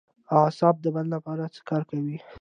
اعصاب د بدن لپاره څه کار کوي